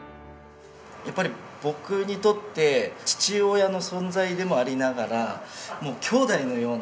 やっぱり僕にとって父親の存在でもありながらもう兄弟のような。